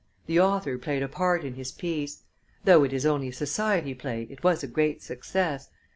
The author played a part in his piece. Though it is only a society play, it was a great success.